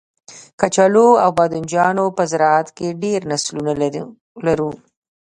کچالو او بنجانو په زرعت کې ډیر نسلونه لرو